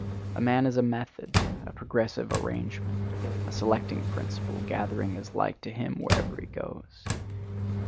A man is a method, a progressive arrangement; a selecting principle, gathering his like to him wherever he goes.